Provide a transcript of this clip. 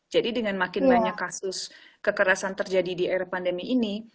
jadi dengan makin banyak kasus kekerasan terjadi di era pandemi ini